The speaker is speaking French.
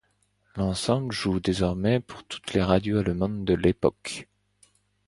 L'ensemble joue désormais pour toutes les radios allemandes de l'époque.